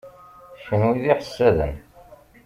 Kenwi d iḥessaden.